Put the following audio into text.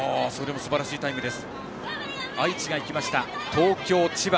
すばらしいタイムです。